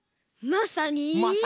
まさに。